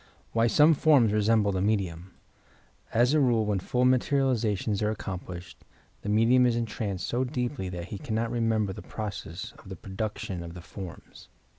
'' WHY SOME FORMS RESHUBLE THE MEDIUM As a rule, when full materializations are accomplished the medium is entranced so deeply that he cannot re member the process of the production of the forms.